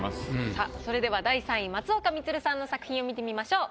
さあそれでは第３位松岡充さんの作品を見てみましょう。